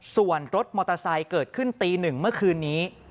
ส่วนรถมอเตอร์ไซค์เกิดขึ้นตีหนึ่งเมื่อคืนนี้